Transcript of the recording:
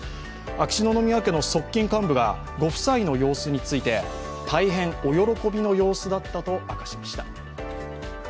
秋篠宮家の側近幹部がご夫妻の様子について大変お喜びの様子だったと明かしました。